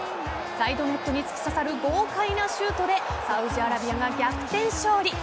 サイドネットに突き刺さる豪快なシュートでサウジアラビアが逆転勝利。